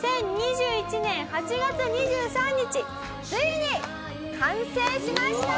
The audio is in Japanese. ２０２１年８月２３日ついに完成しました！